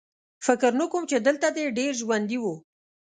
فکر نه کوم چې دلته دې ډېر ژوندي وو